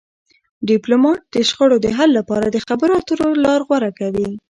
ډيپلومات د شخړو د حل لپاره د خبرو اترو لار غوره کوي.